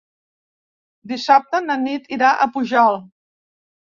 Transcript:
Dissabte na Nit irà a Pujalt.